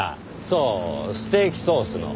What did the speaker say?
そうステーキソースの。